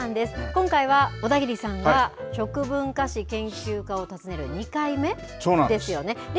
今回は、小田切さんが食文化史研究家を訪ねる２回目ですよね。ですよね。